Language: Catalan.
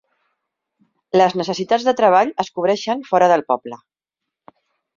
Les necessitats de treball es cobreixen fora del poble.